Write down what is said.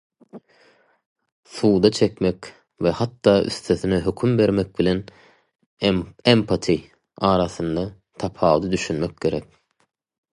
Suda çekmek we hatda üstesine höküm bermek bilen "empathy" arasyndaky tapawuda düşünmek gerek.